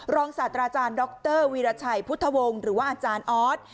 ศาสตราจารย์ดรวีรชัยพุทธวงศ์หรือว่าอาจารย์ออส